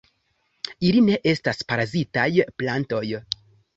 Ili ne estas parazitaj plantoj.